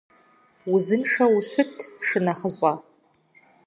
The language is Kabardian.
Узыншэу ущыт шынэхъыщӀэ!